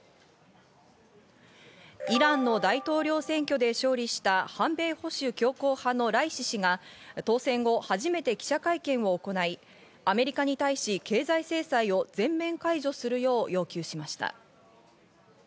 イランの大統領選挙で勝利した反米保守強硬派のライシ師が当選後初めて記者会見を行い、アメリカに対し経済制裁を全面解除するよう要求しました。